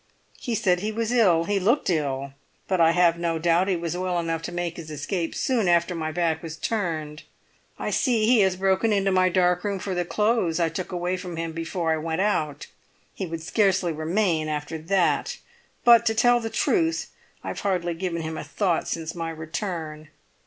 He said he was ill; he looked ill. But I have no doubt he was well enough to make his escape soon after my back was turned. I see he has broken into my dark room for the clothes I took away from him before I went out; he would scarcely remain after that; but, to tell the truth, I have hardly given him a thought since my return."